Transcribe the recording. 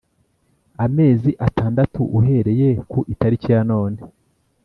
amezi atandatu uhereye ku itariki yanone